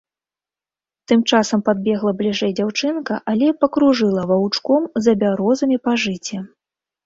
Тым часам падбегла бліжэй дзяўчынка, але пакружыла ваўчком за бярозамі па жыце.